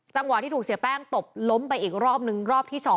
จังหวะที่ถูกเสียแป้งตบล้มไปอีกรอบนึงรอบที่๒